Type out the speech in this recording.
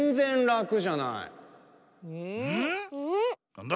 なんだ？